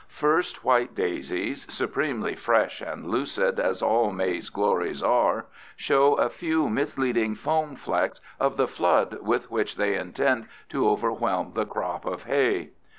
First white daisies, supremely fresh and lucid as all May's glories are, show a few misleading foam flecks of the flood with which they intend to overwhelm the crop of hay.